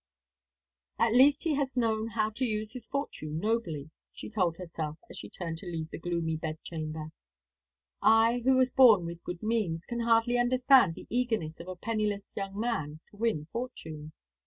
"At the least he has known how to use his fortune nobly," she told herself, as she turned to leave that gloomy bedchamber. "I, who was born with good means, can hardly understand the eagerness of a penniless young man to win fortune.